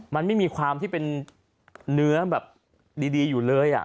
มันไม่มีความที่เป็นเนื้อแบบดีอยู่เลย